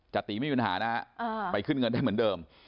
จติไม่มีปัญหานะฮะไปขึ้นเงินได้เหมือนเดิม